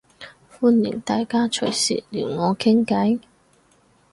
歡迎大家隨時撩我傾計